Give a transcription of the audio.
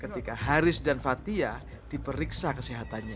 ketika haris dan fathia diperiksa kesehatannya